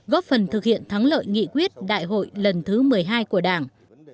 góp phần thực hiện thắng lợi nghị quyết đại hội lần thứ một mươi hai của đảng